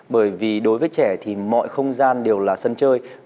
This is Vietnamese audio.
bởi vì đối với trẻ thì mọi không gian đều là sân chơi